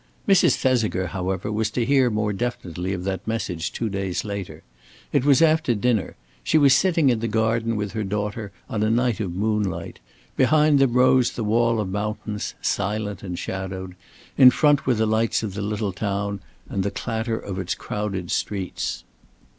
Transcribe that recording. Mrs. Thesiger, however, was to hear more definitely of that message two days later. It was after dinner. She was sitting in the garden with her daughter on a night of moonlight; behind them rose the wall of mountains, silent and shadowed, in front were the lights of the little town, and the clatter of its crowded streets.